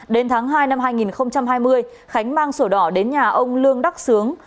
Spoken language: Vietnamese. đến tháng hai năm hai nghìn hai mươi khánh mang sổ đỏ đến nhà ông lương đắc sướng